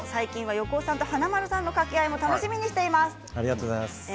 横尾さんと華丸さんの掛け合いが楽しみですということです。